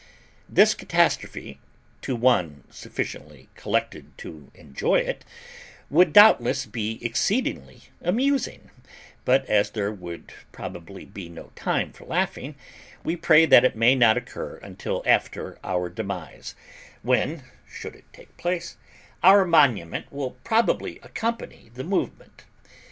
This catastrophe, to one sufficiently collected to enjoy it, would, doubtless, be exceedingly amusing; but as there would probably be no time for laughing, we pray that it may not occur until after our demise; when, should it take place, our monument will probably accompany the movement.